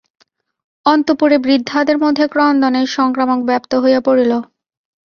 অন্তঃপুরে বৃদ্ধাদের মধ্যে ক্রন্দনের সংক্রামক ব্যাপ্ত হইয়া পড়িল।